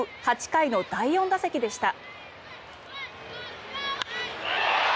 ８回の第４打席でした。